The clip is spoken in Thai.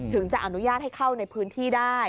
ถึงจะอนุญาตให้เข้าในพื้นที่ได้